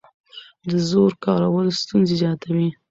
د زور کارول ستونزې زیاتوي